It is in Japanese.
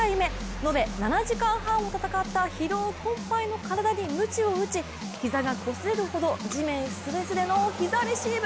延べ７時間半を戦った疲労困ぱいの体にむちを打ち膝がこすれるほど地面すれすれの膝レシーブ。